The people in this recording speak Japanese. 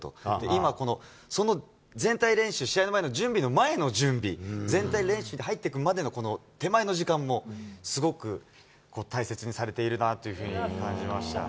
今、その全体練習、試合の前の準備の前の準備、全体練習に入ってくるまでの、この手前の時間もすごく大切にされているなというふうに感じました。